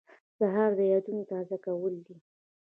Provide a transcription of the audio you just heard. سهار د یادونو تازه کول دي.